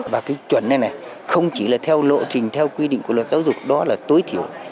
và cái chuẩn này này không chỉ là theo lộ trình theo quy định của luật giáo dục đó là tối thiểu